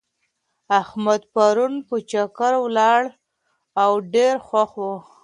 احمد پرون په چکر ولاړی او ډېر خوښ و.